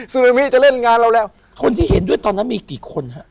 เอมมี่จะเล่นงานเราแล้วคนที่เห็นด้วยตอนนั้นมีกี่คนฮะ